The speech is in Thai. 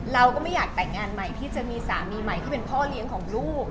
เราก็ไม่อยากแต่งงานใหม่ที่จะมีสามีใหม่ที่เป็นพ่อเลี้ยงของลูก